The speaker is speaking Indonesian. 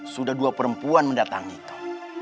sudah dua perempuan mendatangi kau